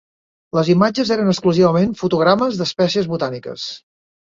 Les imatges eren exclusivament fotogrames d'espècies botàniques.